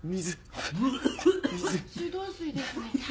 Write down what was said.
水道水ですね。